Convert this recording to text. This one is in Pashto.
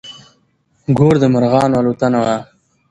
ګور د مرغانو الوتنه وه.